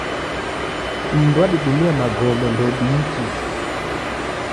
Mundu wadidumia magome ndoudiichi